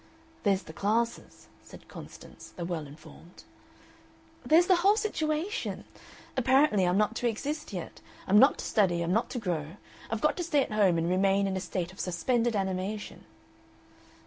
"There's the classes," said Constance, the well informed. "There's the whole situation. Apparently I'm not to exist yet. I'm not to study, I'm not to grow. I've got to stay at home and remain in a state of suspended animation."